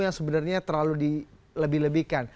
yang sebenarnya terlalu dilebih lebihkan